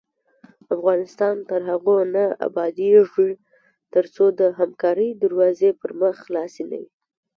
افغانستان تر هغو نه ابادیږي، ترڅو د همکارۍ دروازې پر مخ خلاصې نه وي.